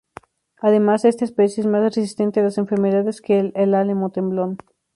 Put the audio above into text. Además esta especie es más resistente a las enfermedades que el álamo temblón.